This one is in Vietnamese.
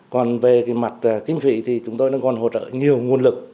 còn về mặt kinh vị thì chúng tôi còn hỗ trợ nhiều nguồn lực